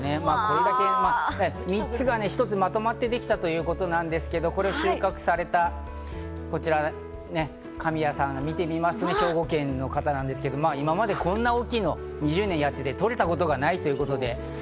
３つが一つにまとまってできたということなんですけど、これを収穫された神谷さん、兵庫県の方なんですけど、今までこんな大きいのは２０年やってて取れたことはないということで。